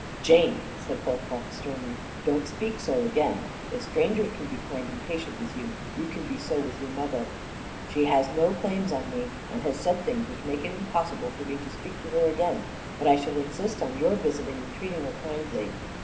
"Jane," said Holcroft sternly, "don't speak so again. If strangers can be kind and patient with you, you can be so with your mother. She has no claims on me and has said things which make it impossible for me to speak to her again, but I shall insist on your visiting and treating her kindly.